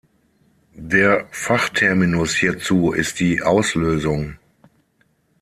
Der Fachterminus hierzu ist die „Auslösung“.